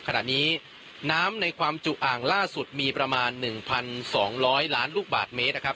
ขณะนี้น้ำในความจุอ่างล่าสุดมีประมาณหนึ่งพันสองร้อยล้านลูกบาทเมตรนะครับ